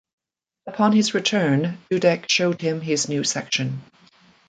Upon his return, Dudek showed him his new section.